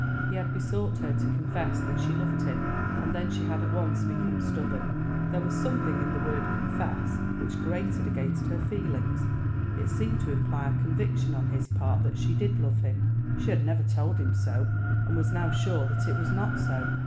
He had besought her to confess that she loved him, and then she had at once become stubborn. There was something in the word "confess" which grated against her feelings. It seemed to imply a conviction on his part that she did love him. She had never told him so, and was now sure that it was not so.